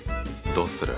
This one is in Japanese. どうする？